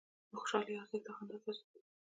د خوشحالۍ ارزښت د خندا سره زیاتېږي.